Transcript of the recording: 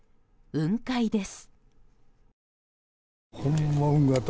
雲海です。